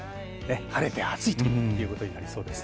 晴れて暑いということになりそうです。